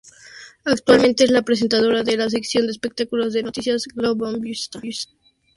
Actualmente es la presentadora de la sección de espectáculos de Noticias Globovisión.